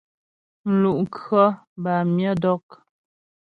Mlu' khɔ bâ myə dɔk.